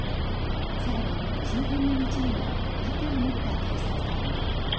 更に、周辺の道には盾を持った警察官も。